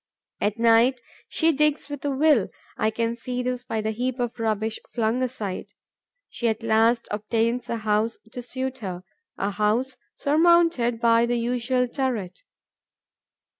At night, she digs with a will. I can see this by the heap of rubbish flung aside. She at last obtains a house to suit her, a house surmounted by the usual turret.